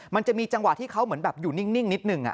มันจะมีจังหวะที่เขาเหมือนแบบอยู่นิ่งนิดนึง